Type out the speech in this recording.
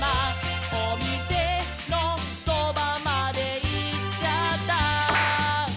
「おみせのそばまでいっちゃった」